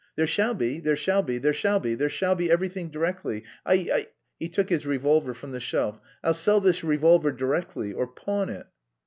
"There shall be, there shall be, there shall be, there shall be everything directly.... I..." he took his revolver from the shelf, "I'll sell this revolver directly... or pawn it...."